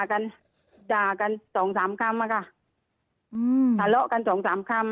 กันด่ากันสองสามคำอะค่ะอืมทะเลาะกันสองสามคำ